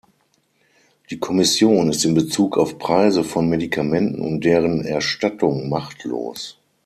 Die Kommission ist in Bezug auf Preise von Medikamenten und deren Erstattung machtlos.